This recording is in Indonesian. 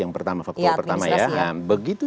yang pertama faktor pertama ya begitu